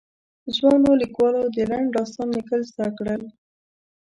ځوانو ليکوالو د لنډ داستان ليکل زده کړل.